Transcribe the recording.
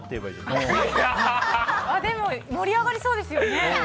ってでも盛り上がりそうですよね。